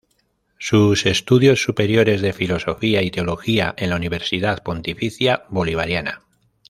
Sus estudios superiores de Filosofía y Teología en la Universidad Pontificia Bolivariana.